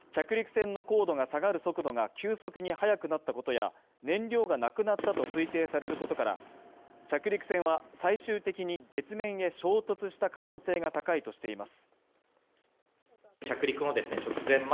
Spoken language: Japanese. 着陸船の高度が下がる速度が急速に早くなったことや、燃料がなくなったと推定されることから、着陸船は、最終的に月面へ衝突した可能性が高いとしています。